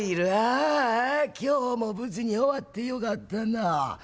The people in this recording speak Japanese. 「ああ今日も無事に終わってよかったなあ」。